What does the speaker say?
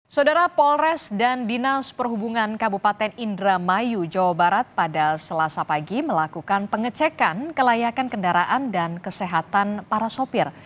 saudara polres dan dinas perhubungan kabupaten indramayu jawa barat pada selasa pagi melakukan pengecekan kelayakan kendaraan dan kesehatan para sopir